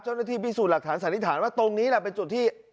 เจ้าหน้าที่พิสูจน์หลักฐานสันนิษฐานว่าตรงนี้แหละเป็นจุดที่